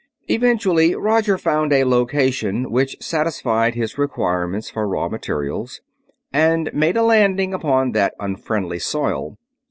Eventually Roger found a location which satisfied his requirements of raw materials, and made a landing upon that unfriendly soil.